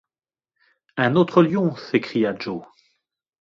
Un autre lion! s’écria Joe.